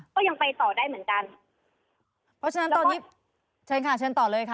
ก็ยังไปต่อได้เหมือนกันเพราะฉะนั้นตอนนี้เชิญค่ะเชิญต่อเลยค่ะ